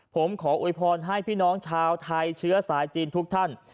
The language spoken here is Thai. ผมขอโวยพรให้พี่น้องชาวไทยเชื้อสายจีนทุกท่าน